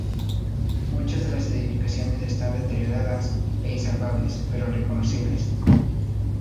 Muchas de las edificaciones están deterioradas e insalvables, pero reconocibles.